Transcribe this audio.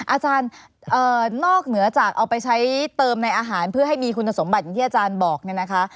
อาจารย์นอกเหนือจากเอาไปใช้เติมในอาหารเพื่อให้มีคุณสมบัติอย่างที่อาจารย์บอกเนี่ยนะคะ